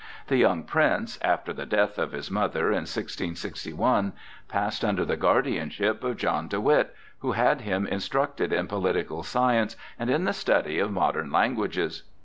The young Prince, after the death of his mother, in 1661, passed under the guardianship of John de Witt, who had him instructed in political science and in the study of modern languages.